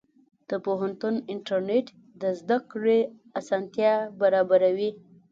د پوهنتون انټرنېټ د زده کړې اسانتیا برابروي.